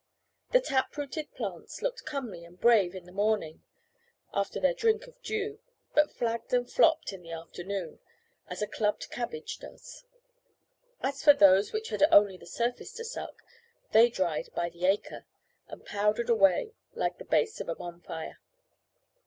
The tap rooted plants looked comely and brave in the morning, after their drink of dew, but flagged and flopped in the afternoon, as a clubbed cabbage does. As for those which had only the surface to suck, they dried by the acre, and powdered away like the base of a bonfire.